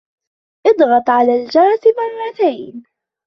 اضغطا على الجرس مرتين.